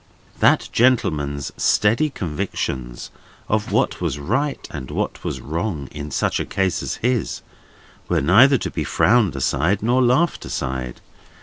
That gentleman's steady convictions of what was right and what was wrong in such a case as his, were neither to be frowned aside nor laughed aside.